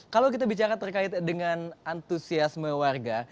kalau kita bicara terkait dengan antusiasme warga